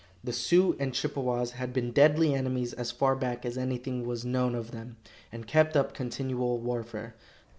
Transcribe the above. The Sioux and Chippewas had been deadly enemies as far back as anything was known of them, and kept up continual warfare.